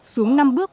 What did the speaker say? xuống năm bước